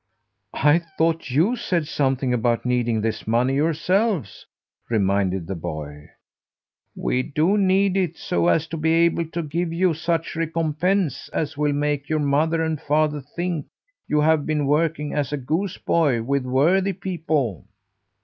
"I thought you said something about needing this money yourselves," reminded the boy. "We do need it, so as to be able to give you such recompense as will make your mother and father think you have been working as a goose boy with worthy people."